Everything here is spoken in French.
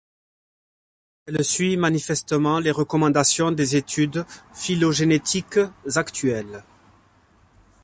Elle suit manifestement les recommandations des études phylogénétiques actuelles.